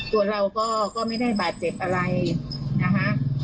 ตัวเราก็ไม่ได้บาดเจ็บอะไรนะคะ